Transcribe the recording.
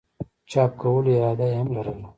چاپ کولو اراده ئې هم لرله